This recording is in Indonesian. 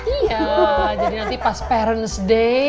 iya jadi nanti pas parent day